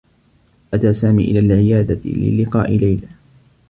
أتى سامي إلى العيادة للقاء ليلى.